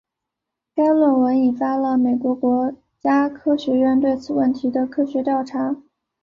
该论文引发了美国国家科学院对此问题的科学调查。